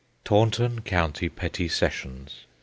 Taunton County Petty Sessions.